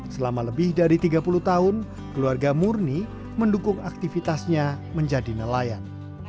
selama lebih dari tiga puluh tahun keluarga murni mendukung aktivitasnya menjadi nelayan